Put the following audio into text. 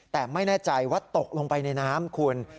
แต่ไม่แน่ใจว่าตกลงไปในน้ำคุณ